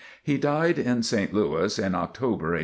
He died in St. Louis, in October, 1866.